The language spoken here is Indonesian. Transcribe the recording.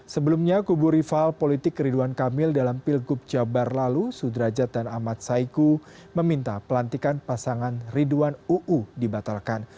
sebelumnya kubu rival politik ridwan kamil dalam pilgub jabar lalu sudrajat dan ahmad saiku meminta pelantikan pasangan ridwan uu dibatalkan